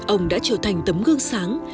ông đã trở thành tấm gương sáng